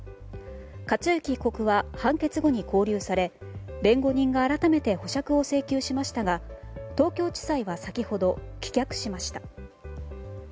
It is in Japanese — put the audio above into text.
克行被告は判決後に勾留され弁護人が改めて保釈を請求しましたが東京地裁は先ほど棄却しました。